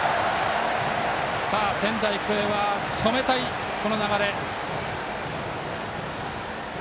仙台育英は止めたい、この流れ。